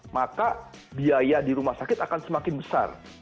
maka biaya di rumah sakit akan semakin besar